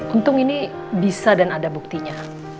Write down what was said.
untung ini bisa dan ada buktinya